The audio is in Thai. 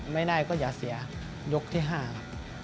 ไม่ได้ก็อย่าเสียยกที่๕ครับ